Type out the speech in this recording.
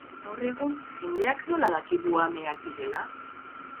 Gaur egun, jendeak nola daki buhameak direla?